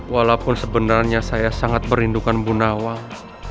walaupun sebenarnya saya sangat perlindungan bunawang